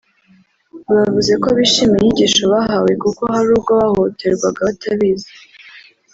bavuze ko bishimiye inyigisho bahawe kuko hari ubwo bahohoterwaga batabizi